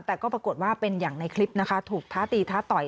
แต่ก็ปรากฏว่าเป็นอย่างในคลิปนะคะถูกท้าตีท้าต่อย